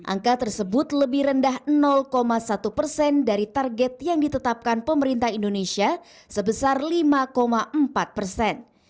angka tersebut lebih rendah satu persen dari target yang ditetapkan pemerintah indonesia sebesar lima empat persen